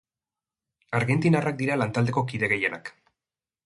Argentinarrak dira lantaldeko kide gehienak.